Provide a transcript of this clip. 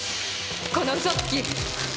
この嘘つき！